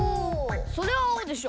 それはあおでしょ。